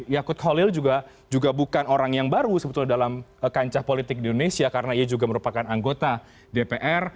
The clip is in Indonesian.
yakut holil juga bukan orang yang baru sebetulnya dalam kancah politik di indonesia karena ia juga merupakan anggota dpr